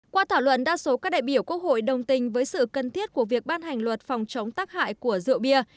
qua thảo luận đa số các đại biểu quốc hội đồng tình với sự cần thiết của việc ban hành luật phòng chống tắc hại của rượu bia